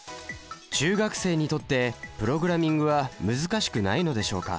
中学生にとってプログラミングは難しくないのでしょうか？